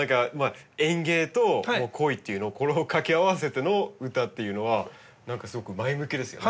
園芸と恋っていうのをこれを掛け合わせての歌っていうのは何かすごく前向きですよね。